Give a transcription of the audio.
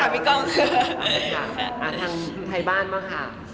มีไทยบ้านบ้างค่ะ